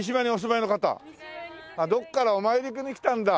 どこからかお参りに来たんだ。